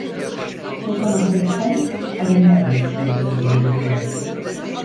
Sultanahmet’ten Alemdar yokuşuna doğru yürüdüler.